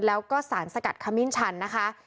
แล้วก็สารสกัดขมิ้นชันนะคะ